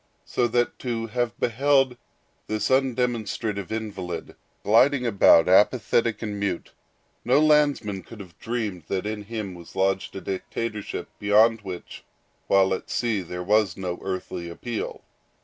So that to have beheld this undemonstrative invalid gliding about, apathetic and mute, no landsman could have dreamed that in him was lodged a dictatorship beyond which, while at sea, there was no earthly appeal.